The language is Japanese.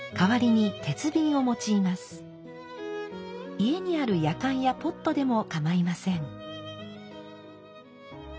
家にあるやかんやポットでもかまいません。